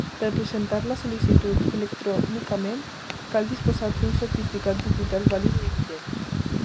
Per presentar la sol·licitud electrònicament, cal disposar d'un certificat digital vàlid i vigent.